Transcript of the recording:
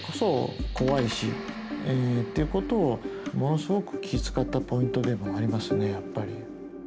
っていうことをものすごく気遣ったポイントでもありますねやっぱり。